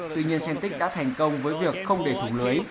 tuy nhiên centic đã thành công với việc không để thủng lưới